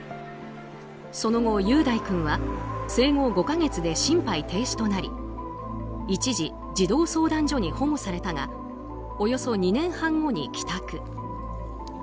その後、雄大君は生後５か月で心肺停止となり一時、児童相談所に保護されたがおよそ２年半後に帰宅。